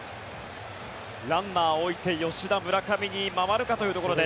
ランナー置いて吉田、村上に回るかというところです。